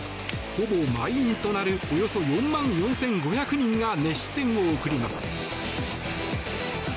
ほぼ満員となるおよそ４万４５００人が熱視線を送ります。